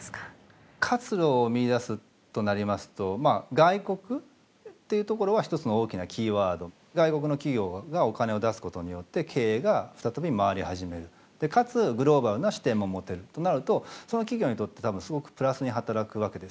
活路を見いだすとなりますと外国の企業がお金を出すことによって経営が再び回り始めるかつグローバルな視点も持てるとなるとその企業にとって多分すごくプラスに働くわけですよね。